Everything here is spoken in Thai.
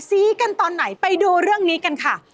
ซี้กันตอนไหนไปดูเรื่องนี้กันค่ะ